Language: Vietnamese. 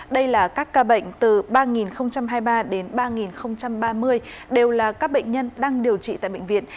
đây là các ca bệnh từ ba nghìn hai mươi ba đến ba ba mươi đều là các bệnh nhân đang điều trị tại bệnh viện